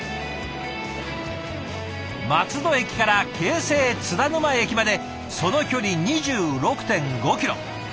松戸駅から京成津田沼駅までその距離２６．５キロ。